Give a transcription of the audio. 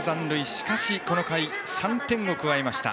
しかし、この回３点を加えました。